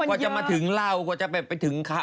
กลัวจะมาถึงเราก็จะไปถึงเขา